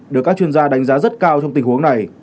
được các chuyên gia đánh giá rất cao trong tình huống này